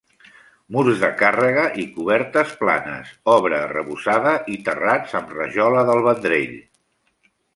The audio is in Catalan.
Murs de càrrega i cobertes planes, obra arrebossada i terrats amb rajola del Vendrell.